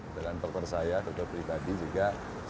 dan dokter saya dokter pribadi juga